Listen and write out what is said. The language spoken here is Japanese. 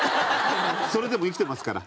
それでも生きてますから。